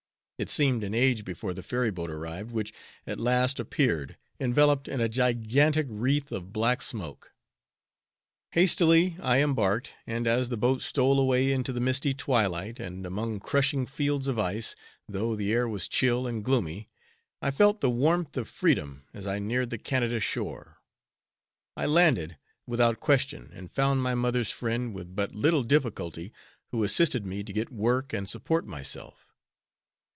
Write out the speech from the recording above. It seemed an age before the ferry boat arrived, which at last appeared, enveloped in a gigantic wreath of black smoke. Hastily I embarked, and as the boat stole away into the misty twilight and among crushing fields of ice, though the air was chill and gloomy, I felt the warmth of freedom as I neared the Canada shore. I landed, without question, and found my mother's friend with but little difficulty, who assisted me to get work and support myself.